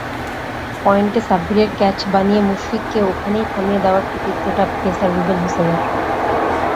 পয়েন্টে সাব্বিরের ক্যাচ বানিয়ে মুশফিককে ওখানেই থামিয়ে দেওয়ার কৃতিত্বটা পেসার রুবেল হোসেনের।